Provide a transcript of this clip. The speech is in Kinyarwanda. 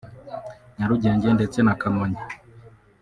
Nyarugenge ndetse na Kamonyi